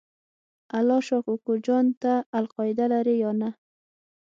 الله شا کوکو جان ته القاعده لرې یا نه؟